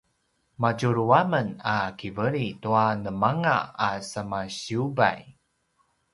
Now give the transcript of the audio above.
madjulu amen a kiveli tua nemanga a semasiyubay